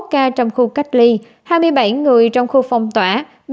năm mươi một ca trong khu cách ly hai mươi bảy người trong khu phong tỏa